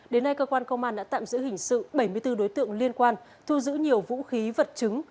đến nay cơ quan công an đã tạm giữ hình sự bảy mươi bốn đối tượng liên quan thu giữ nhiều vũ khí vật chứng